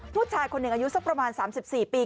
ผู้ชายคนหนึ่งอายุสักประมาณ๓๔ปี